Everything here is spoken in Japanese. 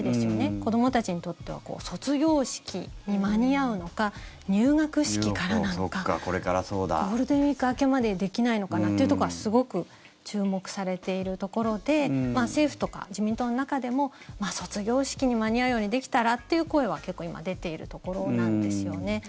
子どもたちにとっては卒業式に間に合うのか入学式からなのかゴールデンウィーク明けまでできないのかなっていうところがすごく注目されているところで政府とか、自民党の中でも卒業式に間に合うようにできたらっていう声は結構、今出ているところなんですよね。